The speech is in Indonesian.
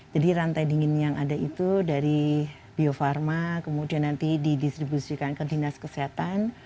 jadi rantai dingin yang ada itu dari bio farma kemudian nanti di distribusikan ke dinas kesehatan